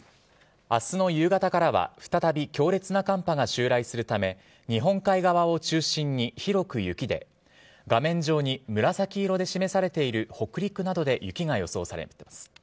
あすの夕方からは再び強烈な寒波が襲来するため、日本海側を中心に広く雪で、画面上に紫色で示されている北陸などで雪が予想されます。